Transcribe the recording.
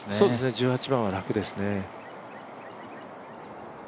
１８番は楽ですね。